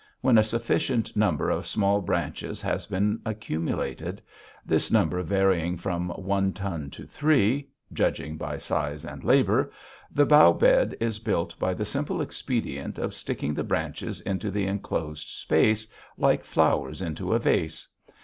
When a sufficient number of small branches has been accumulated, this number varying from one ton to three, judging by size and labor, the bough bed is built by the simple expedient of sticking the branches into the enclosed space like flowers into a vase.